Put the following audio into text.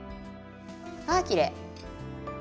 あきれい。